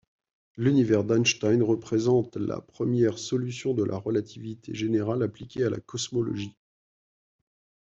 L'univers d'Einstein représente la première solution de la relativité générale appliquée à la cosmologie.